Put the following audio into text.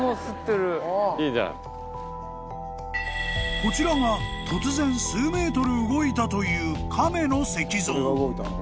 ［こちらが突然数メートル動いたというカメの石像］